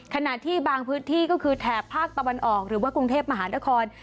ขณะที่บางพื้นที่ก็คือแถบภาคตะวันออกหรือว่ากรุงเทพมหานคร